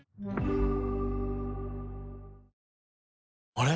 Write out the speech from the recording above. あれ？